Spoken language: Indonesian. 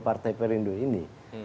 partai perindo ini